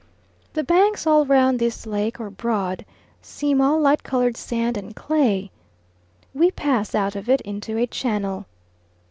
The banks all round this lake or broad, seem all light coloured sand and clay. We pass out of it into a channel.